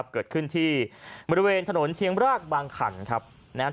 เกิดขึ้นที่หมู่ทางถนนเชียงปรากบาลบางขั่ง